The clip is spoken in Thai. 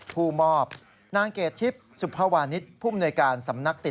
ผู้มอบนางเกดทิพย์สุภาวานิสผู้มนวยการสำนักติ